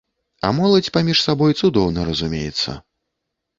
А моладзь паміж сабой цудоўна разумеецца.